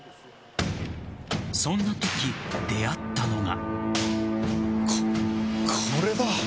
そんなとき、出会ったのが。